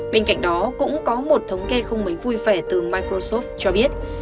bên cạnh đó cũng có một thống kê không mấy vui vẻ từ microsoff cho biết